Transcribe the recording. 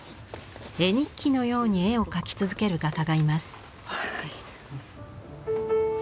絵日記のように絵を描き続ける画家がいます。